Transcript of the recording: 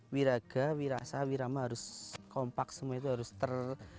wiraga wirasa wirama harus kompak semua itu harus ter